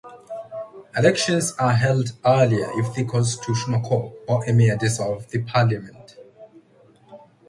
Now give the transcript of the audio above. Elections are held earlier if the Constitutional Court or Emir dissolve the parliament.